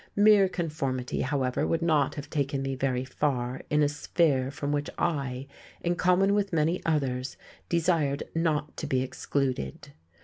Mere conformity, however, would not have taken me very far in a sphere from which I, in common with many others, desired not to be excluded....